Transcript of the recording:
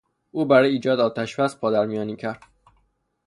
او برای ایجاد آتشبس پادرمیانی کرد.